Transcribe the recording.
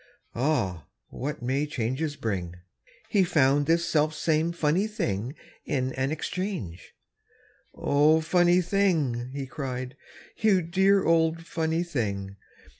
(Ah! what may changes bring!) He found this selfsame funny thing In an exchange "O, funny thing!" He cried, "You dear old funny thing!"